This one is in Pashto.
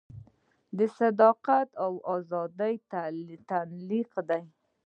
د صداقت او ازادیو تلقین دی.